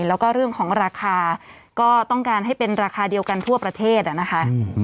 แล้วก็เรื่องของราคาก็ต้องการให้เป็นราคาเดียวกันทั่วประเทศนะคะ